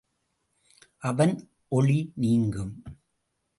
அவன் ஒளி நீங்கும்.